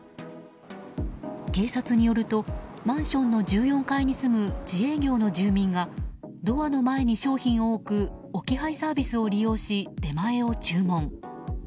警察によるとマンションの１４階に住む自営業の住民がドアの前に商品を置く置き配サービスを利用し出前を注文。